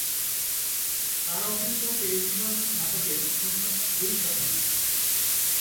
তার অভিনীত টেলিভিশন নাটকের সংখ্যা দুই শতাধিক।